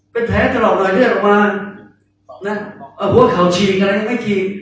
เป็นแท้ตลอดหน่อยด้วยออกมานะเอ่อหัวเข่าฉีกอะไรไม่ฉีก